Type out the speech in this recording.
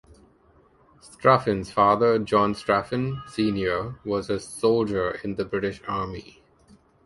Straffen's father, John Straffen senior, was a soldier in the British Army.